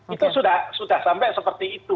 itu sudah sampai seperti itu